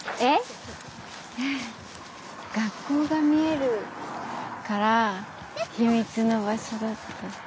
学校が見えるから秘密の場所だって。